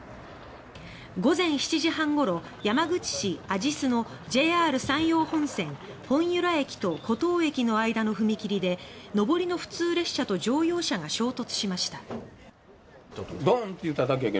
午前７時半ごろ山口市阿知須のＪＲ山陽本線本由良駅と厚東駅の間の踏切で上りの普通列車と乗用車が衝突しました。